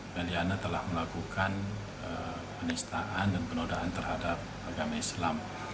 meliana telah melakukan penistaan dan penodaan terhadap agama islam